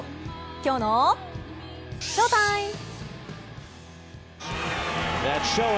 きょうのＳＨＯＴＩＭＥ！